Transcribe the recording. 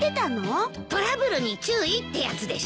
トラブルに注意ってやつでしょ？